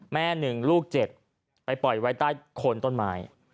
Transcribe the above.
แม่หนึ่งลูก๗ไปปล่อยไว้ใต้คนต้นไม้